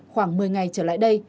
khoảng một mươi ngày trở lại đây